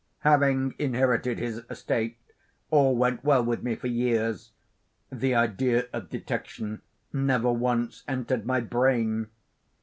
Having inherited his estate, all went well with me for years. The idea of detection never once entered my brain.